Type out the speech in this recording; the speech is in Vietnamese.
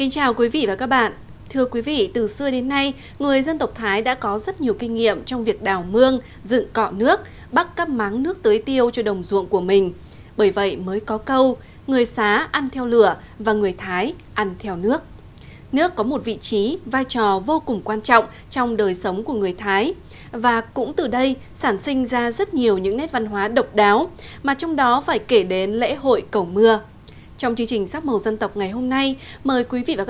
chào mừng quý vị đến với bộ phim hãy nhớ like share và đăng ký kênh của chúng mình nhé